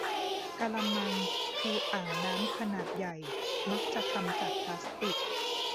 กะละมัง คืออ่างน้ำขนาดใหญ่ มักจะทำจากพลาสติก